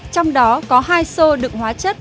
trong đó có hai xô đựng hóa chất